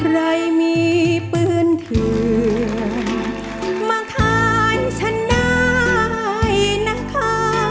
ใครมีเพื่อนเธอมาทานฉันได้นะคะ